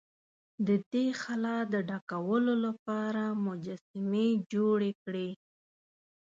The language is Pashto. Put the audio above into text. د دې خلا د ډکولو لپاره مجسمې جوړې کړې.